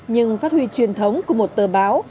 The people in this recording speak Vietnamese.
nhưng phát huy truyền thống của một tờ báo